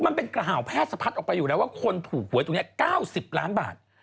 มันเป็นกระห่าวแพทย์สะพัดออกไปอยู่แล้วว่าคนถูกหวยตรงนี้๙๐ล้านบาท